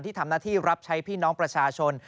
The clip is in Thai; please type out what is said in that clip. ทำหน้าที่รับใช้พี่น้องประชาชน